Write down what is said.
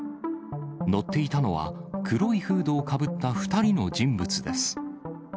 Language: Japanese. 乗っていたのは、黒いフードをかぶった２人の人物です。